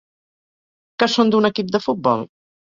Que són d'un equip de futbol?